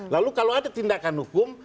lalu kalau ada tindakan hukum